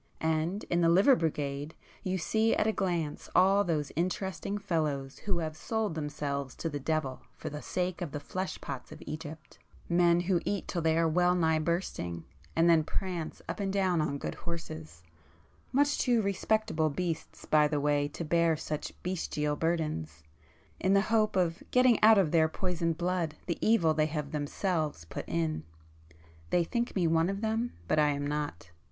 And in the Liver Brigade you see at a glance all those interesting fellows who have sold themselves to the devil for the sake of the flesh pots of Egypt,—men who eat till they are well nigh bursting, and then prance up and down on good horses,—much too respectable beasts by the way to bear such bestial burdens—in the hope of getting out of their poisoned blood the evil they have themselves put in. They think me one of them, but I am not."